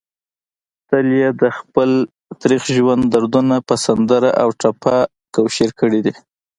تل يې دخپل تريخ ژوند دردونه په سندره او ټپه کوشېر کړي دي